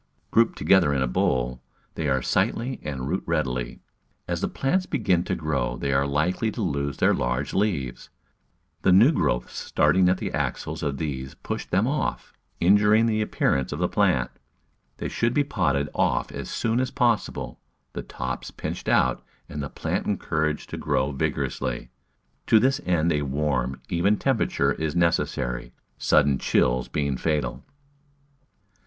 Grouped together in a bowl, they are sightly and root readily. As the plants begin to grow they are likely to lose their large leaves — the new growths starting at the axils of these push them off — injuring the appearance of the plant. They should be potted off as soon as possible, the tops pinched out, and the plant encouraged to grow vigor Digitized by Google 60 The Flower Garden [Chapter ously. To this end a warm, even temperature is necessary, sudden chills being fatal.